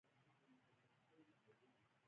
تیاره ذهن بد دی.